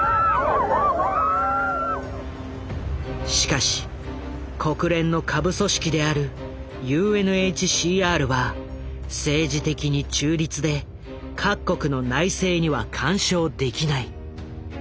しかし国連の下部組織であるＵＮＨＣＲは政治的に中立で各国の内政には干渉できない。